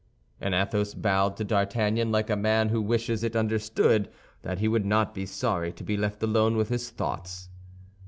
And Athos bowed to D'Artagnan like a man who wishes it understood that he would not be sorry to be left alone with his thoughts.